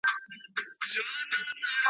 په عمر کشر، په عقل مشر .